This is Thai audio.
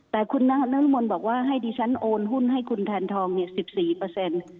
แต่คุณนรมนบอกว่าให้ดิฉันโอนหุ้นให้คุณแทนทองเนี่ย๑๔เปอร์เซ็นต์